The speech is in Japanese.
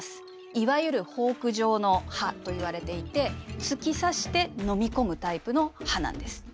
いわゆるフォーク状の歯といわれていて突き刺して飲み込むタイプの歯なんです。